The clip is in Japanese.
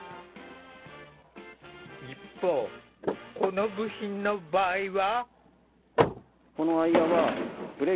一方、この部品の場合は。